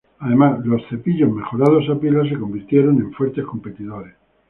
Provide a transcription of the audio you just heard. Además, los cepillos a pilas mejorados a pilas se convirtieron en fuertes competidores.